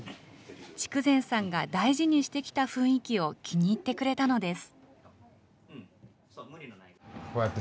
筑前さんが大事にしてきた雰囲気を気に入ってくれたのです。